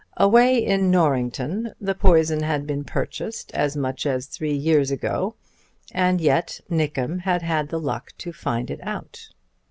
Away in Norrington the poison had been purchased as much as three years ago, and yet Nickem had had the luck to find it out.